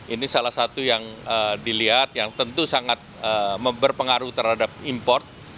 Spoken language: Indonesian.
ini salah satu yang dilihat yang tentu sangat berpengaruh terhadap import